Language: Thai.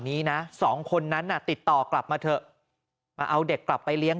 นี้นะสองคนนั้นน่ะติดต่อกลับมาเถอะมาเอาเด็กกลับไปเลี้ยง